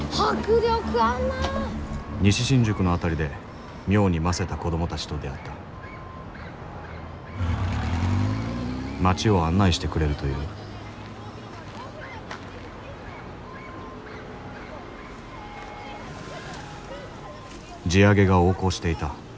西新宿の辺りで妙にませた子供たちと出会った街を案内してくれるという地上げが横行していた。